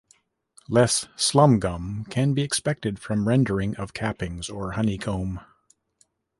Less slumgum can be expected from rendering of cappings or honey comb.